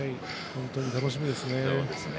本当に楽しみですね。